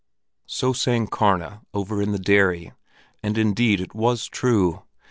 So sang Karna over in the dairy, and indeed it was true!